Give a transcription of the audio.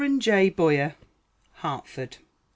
J. BOYER. HARTFORD.